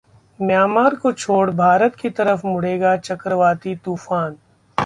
Myanmar को छोड़ भारत की तरफ मुड़ेगा चक्रवाती तूफान